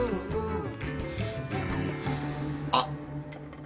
あっ。